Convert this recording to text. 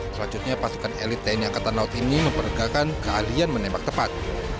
selanjutnya pasukan elit tni angkatan laut ini memperlegakan keahlian menembak tepat